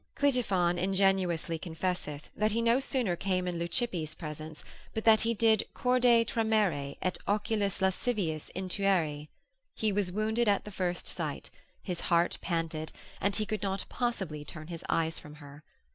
Clitiphon ingenuously confesseth, that he no sooner came in Leucippe's presence, but that he did corde tremere, et oculis lascivius intueri; he was wounded at the first sight, his heart panted, and he could not possibly turn his eyes from her.